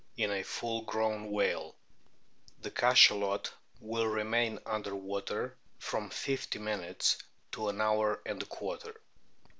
202 A BOOK OF' WHALES The Cachalot 'will remain under water from fifty minutes to an hour and a quarter.